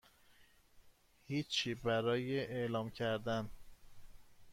هیچی برای اعلام کردن